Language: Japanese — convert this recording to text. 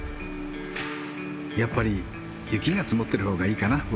やっぱり雪が積もってるほうがいいかな僕は。